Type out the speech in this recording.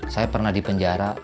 saya pernah di penjara